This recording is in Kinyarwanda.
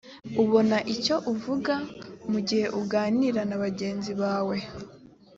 ubona icyo uvuga mu gihe uganira na bagenzi bawe